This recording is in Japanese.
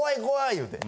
言うて。